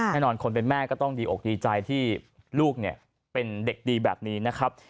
แน่นอนคนเป็นแม่ก็ต้องดีอกดีใจที่ลูกเนี่ยเป็นเด็กดีแบบนี้นะครับ